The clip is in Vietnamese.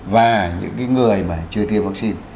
và những người chưa tiêm vaccine